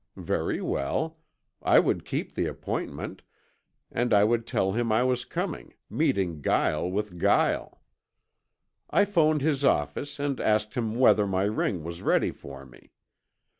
Very well. I would keep the appointment, and I would tell him I was coming, meeting guile with guile. "I phoned his office and asked him whether my ring was ready for me.